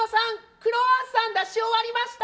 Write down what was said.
クロワッサン出し終わりました！